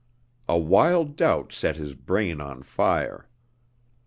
A wild doubt set his brain on fire.